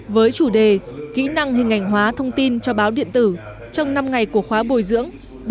với chủ đề kỹ năng hình ảnh hóa thông tin cho báo điện tử trong năm ngày của khóa bồi dưỡng